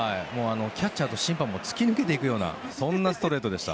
キャッチャーと審判も突き抜けていくようなそんなストレートでした。